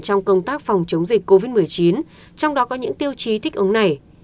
trong công tác phòng chống dịch covid một mươi chín trong đó có những tiêu chí thích ứng này